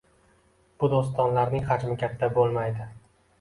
Bu dostonlarning hajmi katta bo'lmay-di